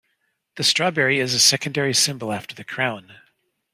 The strawberry is a secondary symbol after the crown.